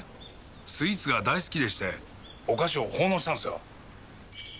スイーツが大好きでしてお菓子を奉納したんすよ。